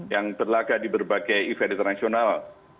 yang terlaga di berbagai event internasional